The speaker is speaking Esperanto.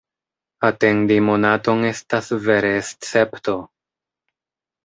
Atendi monaton estas vere escepto!